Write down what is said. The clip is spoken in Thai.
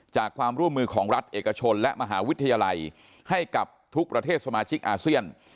จากความร่วมมือของรัฐเอกชนและมหาวิทยาลัยให้กับทุกประเทศสมาชิกอาเซียน